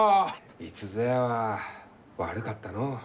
いつぞやは悪かったのう。